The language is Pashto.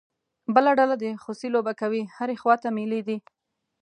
بله ډله د خوسی لوبه کوي، هرې خوا ته مېلې دي.